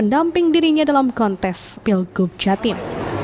nanti pendamping dirinya dalam kontes pilgub jatim